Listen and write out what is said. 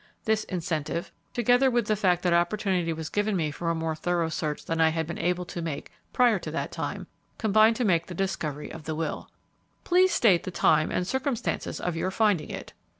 This incentive, together with the fact that opportunity was given me for a more thorough search than I had been able to make prior to that time, combined to bring about the discovery of the will." "Please state the time and circumstances of your finding it."